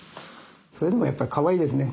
それでもやっぱかわいいですね